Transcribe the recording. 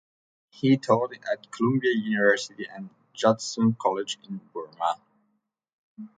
He taught at Columbia University and Judson College in Burma.